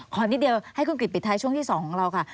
นิดเดียวให้คุณกริจปิดท้ายช่วงที่๒ของเราค่ะ